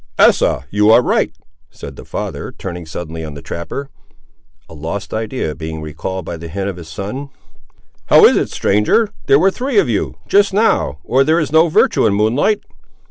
"Asa, you are right," said the father, turning suddenly on the trapper, a lost idea being recalled by the hint of his son. "How is it, stranger; there were three of you, just now, or there is no virtue in moonlight?"